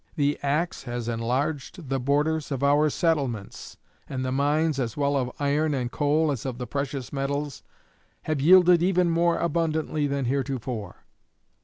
The axe has enlarged the borders of our settlements, and the mines, as well of iron and coal as of the precious metals, have yielded even more abundantly than heretofore.